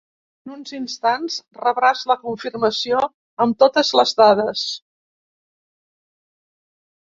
En uns instants rebràs la confirmació amb totes les dades.